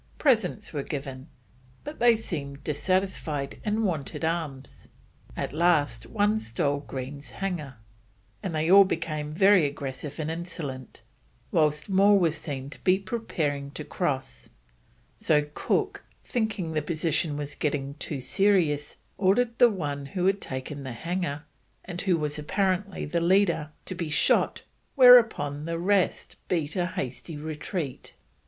Presents were given, but they seemed dissatisfied, and wanted arms. At last one stole Green's hanger, and they all became very aggressive and insolent, whilst more were seen to be preparing to cross; so Cook, thinking the position was getting too serious, ordered the one who had taken the hanger, and who was apparently the leader, to be shot, whereon the rest beat a hasty retreat.